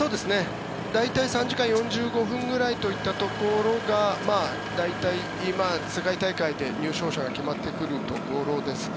大体３時間４５分ぐらいといったところが大体今、世界大会で優勝者が決まってくるところです。